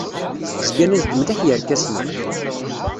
Zgan-as-d mliḥ yerkasen-a.